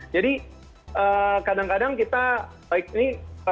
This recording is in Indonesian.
jadi kadang kadang kita baik ini